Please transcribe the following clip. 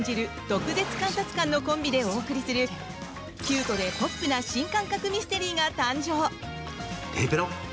毒舌監察官のコンビでお送りするキュートでポップな新感覚ミステリーが誕生。